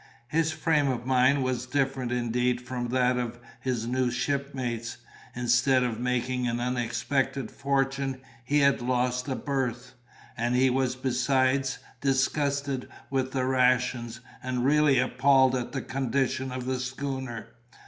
His frame of mind was different indeed from that of his new shipmates; instead of making an unexpected fortune, he had lost a berth; and he was besides disgusted with the rations, and really appalled at the condition of the schooner.